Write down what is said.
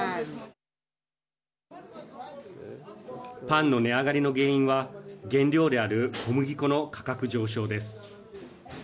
パンの値上がりの原因は原料である小麦粉の価格上昇です。